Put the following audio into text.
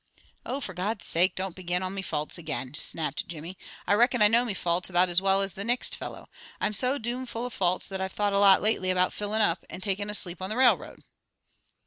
"For God's sake, don't begin on me faults again," snapped Jimmy. "I reckon I know me faults about as well as the nixt fellow. I'm so domn full of faults that I've thought a lot lately about fillin' up, and takin' a sleep on the railroad."